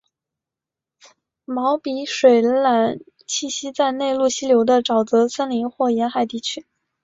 毛鼻水獭栖息在内陆溪流的沼泽森林或沿海地区。